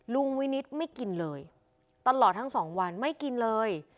ลุงวินิตไม่กินเลยตลอดทั้งสองวันไม่กินเลย